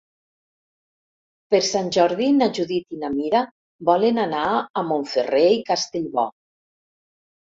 Per Sant Jordi na Judit i na Mira volen anar a Montferrer i Castellbò.